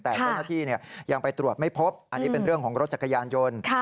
แต่เจ้าหน้าที่ยังไปตรวจไม่พบอันนี้เป็นเรื่องของรถจักรยานยนต์